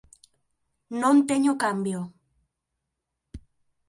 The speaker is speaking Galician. Non teño cambio.